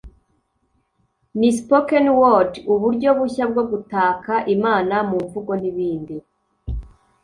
ni Spoken Words (uburyo bushya bwo gutaka Imana mu mvugo) n’ibindi